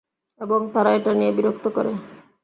এবং তারা এটা নিয়ে বিরক্ত করে।